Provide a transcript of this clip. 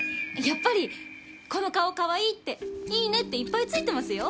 やっぱりこの顔かわいいっていいねっていっぱい付いてますよ。